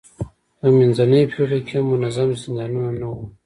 په منځنیو پېړیو کې هم منظم زندانونه نه وو.